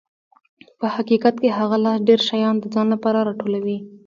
په حقیقت کې هغه لاس ډېر شیان د ځان لپاره راټولوي.